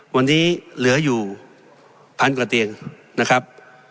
วันนี้เหลืออยู่พันกว่าเตียงนะครับ